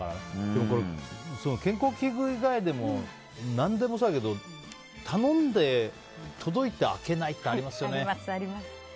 でも、健康器具以外でも何でもそうだけど頼んで届いて開けないってありますよね。